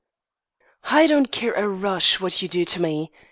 "I don't care a rush what you do to me.